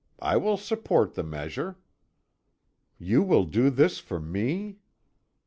I will support the measure." "You will do this for me?"